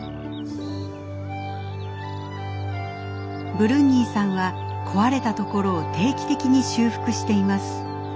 ブルンニーさんは壊れたところを定期的に修復しています。